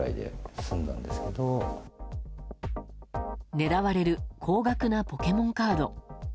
狙われる高額なポケモンカード。